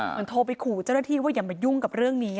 โทรไปขู่เจ้าหน้าที่ว่าอย่ามายุ่งกับเรื่องนี้